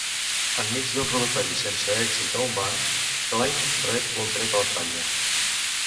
Enmig d'un robatori sense èxit a un banc, Clyde rep un tret a l'espatlla.